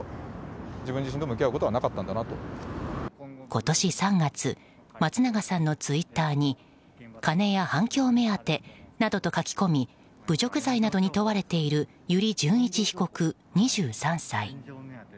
今年３月松永さんのツイッターに金や反響目当てなどと書き込み侮辱罪などに問われている油利潤一被告、２３歳。